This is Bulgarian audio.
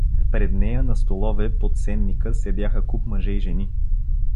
Пред нея на столове под сенника седяха куп мъже и жени.